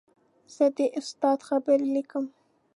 زه د استاد خبرې لیکم.